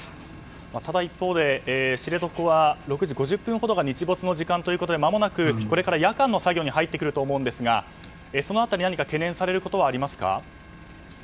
ただ、一方知床は、６時５０分ほどが日没の時間ということでまもなく夜間の作業に入ってくると思うんですがその辺りで懸念されることはありますか。